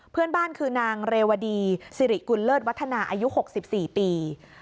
เพื่อนบ้านคือนางเรวดีสิริกุลเลิศวัฒนาอายุ๖๔ปี